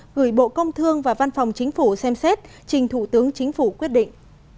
gửi bộ công thương và văn phòng chính phủ xem xét trình thủ tướng chính phủ quyết định